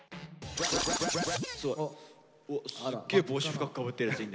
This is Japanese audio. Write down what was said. すっげえ帽子深くかぶってるやついんだけど。